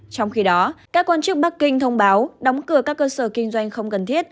trong khi đó các quan chức bắc kinh thông báo đóng cửa các cơ sở kinh doanh không cần thiết